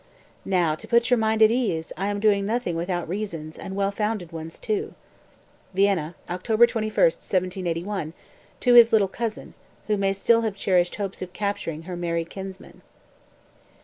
205. "Now, to put your mind at ease, I am doing nothing without reasons, and well founded ones, too." (Vienna, October 21, 1781, to his "little cousin," who may still have cherished hopes of capturing her merry kinsman.)